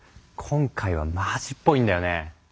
今回はマジっぽいんだよね。